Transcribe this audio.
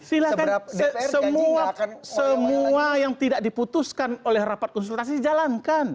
semua yang tidak diputuskan oleh rapat konsultasi jalankan